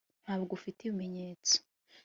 ntabwo ufite ibimenyetso